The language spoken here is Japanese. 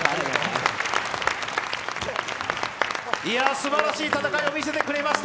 すばらしい戦いを見せてくれました。